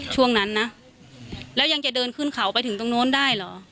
ช่วงนั้นนะแล้วยังจะเดินขึ้นเขาไปถึงตรงโน้นได้เหรอ